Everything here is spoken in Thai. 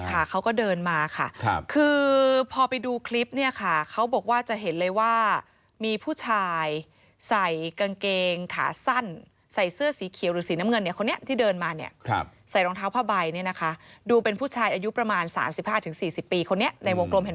เท้าผ้าใบเนี่ยนะคะดูเป็นผู้ชายอายุประมาณ๓๕ถึง๔๐ปีคนนี้ในวงกรมเห็น